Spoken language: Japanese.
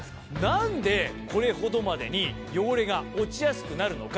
何でこれほどまでに汚れが落ちやすくなるのか。